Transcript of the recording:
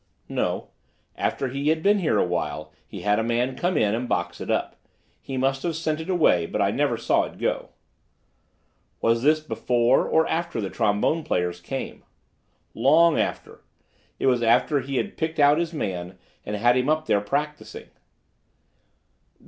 "No. After he had been here a while he had a man come in and box it up. He must have sent it away, but I never saw it go." "Was this before or after the trombone players came?" "Long after. It was after he had picked out his man and had him up here practicing."